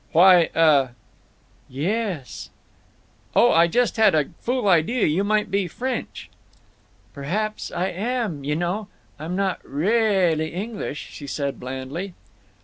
"Why—uh—" "Yes!" "Oh, I just had a fool idea maybe you might be French." "Perhaps I am, y' know. I'm not reahlly English," she said, blandly.